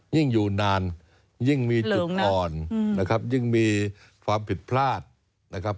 ยิ่งอยู่นานยิ่งมีจุดอ่อนนะครับยิ่งมีความผิดพลาดนะครับ